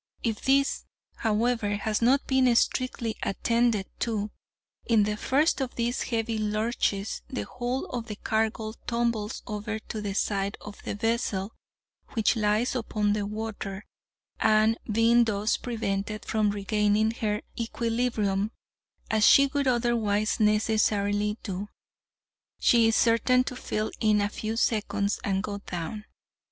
If this, however, has not been strictly attended to, in the first of these heavy lurches the whole of the cargo tumbles over to the side of the vessel which lies upon the water, and, being thus prevented from regaining her equilibrium, as she would otherwise necessarily do, she is certain to fill in a few seconds and go down.